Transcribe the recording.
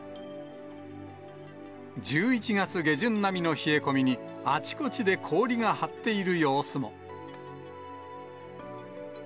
１１月下旬並みの冷え込みに、あちこちで氷が張っている様子も。